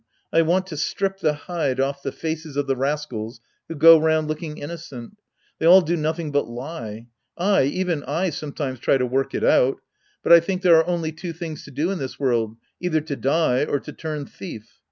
I want to strip the hide off the faces of the rascals who go round looking innocent. They all do nothing but lie. O I, even I, sometimes try to work it out 0 But I tliink there are only two things to do in this world, either to die or to turn thief.